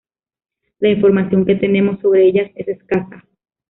La información que tenemos sobre ella es escasa.